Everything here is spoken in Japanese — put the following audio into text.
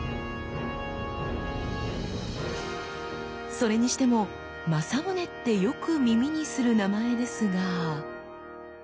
それにしても正宗ってよく耳にする名前ですが。